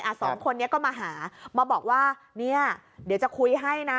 สองคนนี้ก็มาหามาบอกว่าเนี้ยเดี๋ยวจะคุยให้นะ